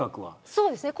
そうですね。